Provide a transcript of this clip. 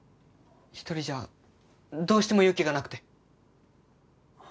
一人じゃどうしても勇気がなくて。